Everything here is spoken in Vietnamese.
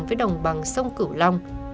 với đồng bằng sông cửu long